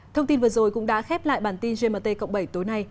thông tin vừa rồi cũng đã khép lại bản tin gmt cộng bảy tối nay